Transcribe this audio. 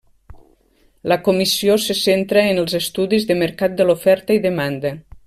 La comissió se centra en els estudis de mercat de l'oferta i demanda.